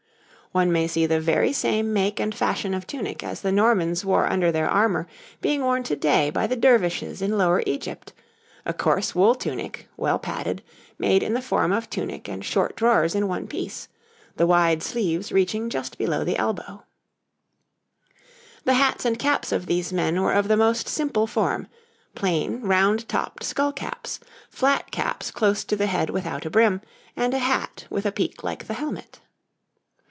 One may see the very same make and fashion of tunic as the Normans wore under their armour being worn to day by the Dervishes in Lower Egypt a coarse wool tunic, well padded, made in the form of tunic and short drawers in one piece, the wide sleeves reaching just below the elbow. [Illustration: {A man of the time of William I.}] The hats and caps of these men were of the most simple form plain round topped skull caps, flat caps close to the head without a brim, and a hat with a peak like the helmet.